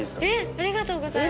ありがとうございます。